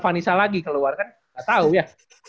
vanessa lagi ke luar kan gak tau ya